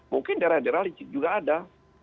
mungkin daerah daerah juga ada